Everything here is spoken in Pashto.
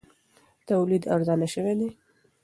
تولید ارزانه شوی دی.